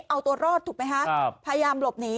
เอาตัวรอดถูกไหมคะพยายามหลบหนี